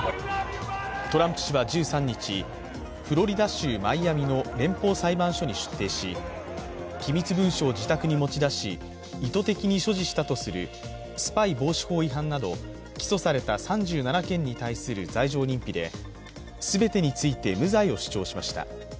トランプ氏は１３日フロリダ州マイアミの連邦裁判所に出廷し、機密文書を自宅に持ち出し、意図的に所持したとするスパイ防止法違反など起訴された３７件に対する罪状認否で全てについて無罪を主張しました。